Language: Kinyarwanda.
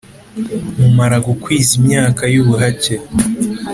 numara gukwiza imyaka yubuhake